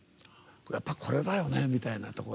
やっぱこれだよねみたいなところ。